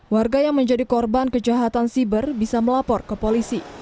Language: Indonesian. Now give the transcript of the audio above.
warga yang menjadi korban kejahatan siber bisa melapor ke polisi